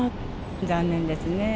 残念ですね。